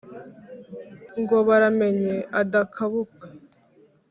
ngo baramenye adakabuka,